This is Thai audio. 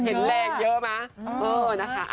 เห็นแรงเยอะมั้ยเออนะคะ